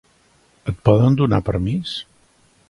Et poden donar permís?